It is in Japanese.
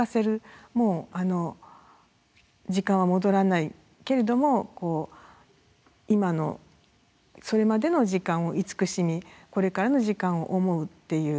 もう時間は戻らないけれども今のそれまでの時間を慈しみこれからの時間を思うっていう。